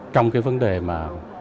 trong cái vấn đề mà